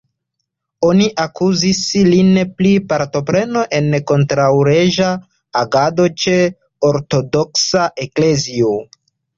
Oni akuzis lin pri partopreno en kontraŭleĝa agado ĉe Ortodoksa Eklezio.